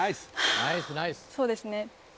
そうですね